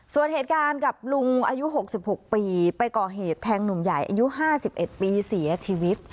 ส่วนเหตุการณ์กับลุงอายุ๖๖ปีไปก่อเหตุแทงหนุ่มใหญ่อายุ๕๑ปีเสียชีวิต